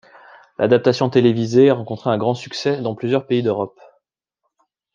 L'adaptation télévisée a rencontré un grand succès dans plusieurs pays d'Europe.